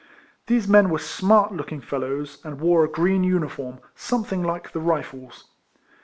These men were smart looking fellows, and wore a green uniform, something like the Rifles.